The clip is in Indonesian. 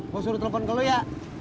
gua suruh telfon ke lo ya